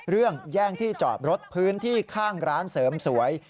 แย่งที่จอดรถพื้นที่ข้างร้านเสริมสวย